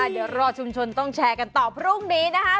เดี๋ยวรอชุมชนต้องแชร์กันต่อพรุ่งนี้นะคะ